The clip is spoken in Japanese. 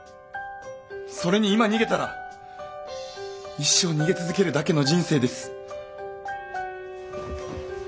それに今逃げたら一生逃げ続けるだけの人生です。